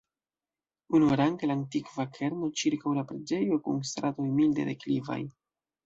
Unuarange, la antikva kerno, ĉirkaŭ la preĝejo, kun stratoj milde deklivaj.